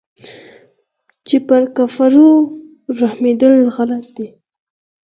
چې پر كفارو رحمېدل غلط دي.